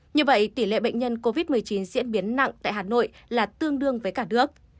như vậy tỷ lệ bệnh nhân covid một mươi chín diễn biến nặng tại hà nội là tương đương với cả nước